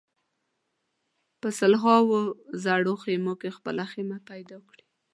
په لسهاوو زره خېمو کې خپله خېمه پیدا کړي.